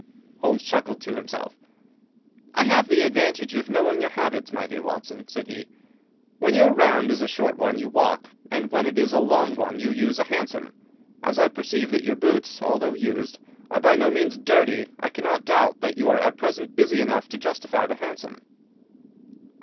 Holmes chuckled to himself. "I have the advantage of knowing your habits, my dear Watson," said he. "When your round is a short one you walk, and when it is a long one you use a hansom. As I perceive that your boots, although used, are by no means dirty, I cannot doubt that you are at present busy enough to justify the hansom."